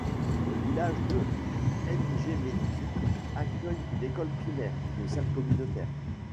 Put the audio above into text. Le village de Njemetu accueille une école primaire, une salle communautaire.